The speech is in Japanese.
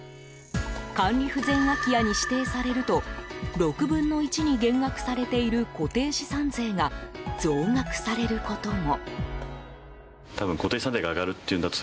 管理不全空き家に指定されると６分の１に減額されている固定資産税が増額されることも。